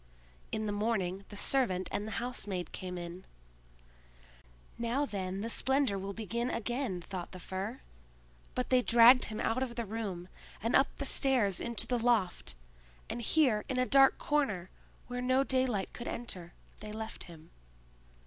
In the morning the servant and the housemaid came in. "Now then the splendor will begin again," thought the Fir. But they dragged him out of the room, and up the stairs into the loft; and here, in a dark corner, where no daylight could enter, they left him.